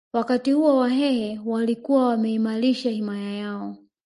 Wakati huo Wahehe walikuwa wameimarisha himaya yao